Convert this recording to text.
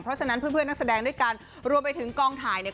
เพราะฉะนั้นเพื่อนเพื่อนนักแสดงด้วยกันรวมไปถึงกองถ่ายเนี่ย